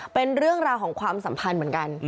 เป็นเรื่องราวของความสัมพันธ์เหมือนกัน